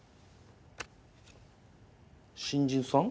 新人さん？